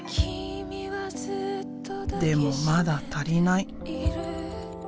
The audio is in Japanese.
でもまだ足りない。